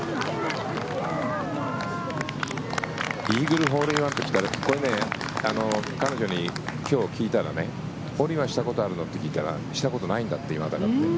イーグルホールインワンと来たらこれ、彼女に今日聞いたらホールインワンしたことあるの？って聞いたらしたことないんだって。